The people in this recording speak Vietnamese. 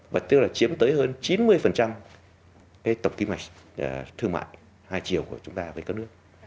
và tức là chiếm tới hơn chín mươi cái tổng ký mạch thương mại hai triệu của chúng ta với các nước